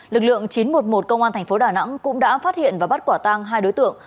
lực lượng chín trăm một mươi một công an thành phố đà nẵng cũng đã phát hiện và bắt quả tang hai đối tượng